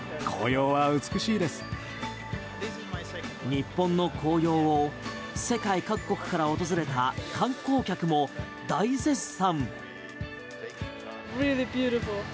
日本の紅葉を世界各国から訪れた観光客も大絶賛。